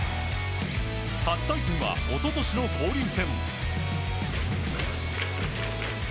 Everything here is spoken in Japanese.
初対戦は一昨年の交流戦。